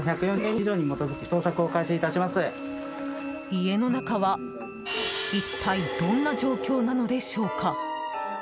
家の中は一体どんな状況なのでしょうか？